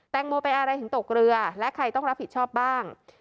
งโมไปอะไรถึงตกเรือและใครต้องรับผิดชอบบ้าง